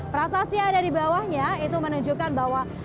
prasasti ada di bawahnya itu menunjukkan bahwa